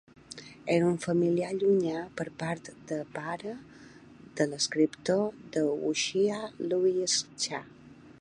Era un familiar llunyà per part depara de l'escriptor de wuxia Louis Cha.